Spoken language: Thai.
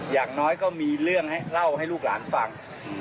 อย่างน้อยก็มีเรื่องให้เล่าให้ลูกหลานฟัง